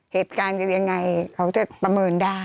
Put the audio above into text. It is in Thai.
เหตุการณ์จะยังไงเขาจะประเมินได้